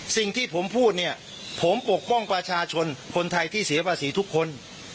สิ่งที่ผมพูดเนี่ยผมปกป้องประชาชนคนไทยที่เสียภาษีทุกคน